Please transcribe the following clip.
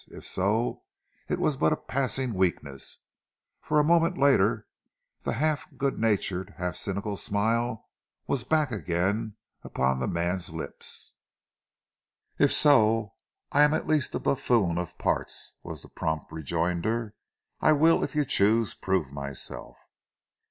If so, it was but a passing weakness, for a moment later the half good natured, half cynical smile was back again upon the man's lips. "If so, I am at least a buffoon of parts," was the prompt rejoinder. "I will, if you choose, prove myself."